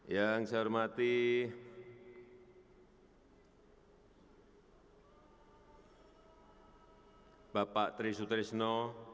yang saya hormati bapak trishut trisno